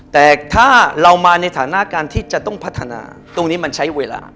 แต่ถ้าเรามาในฐานะการที่จะต้องพัฒนาตรงนี้มันใช้เวลา